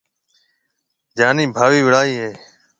جانِي ڀاوِي وڙائي ھيََََ